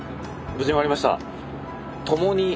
無事終わりました。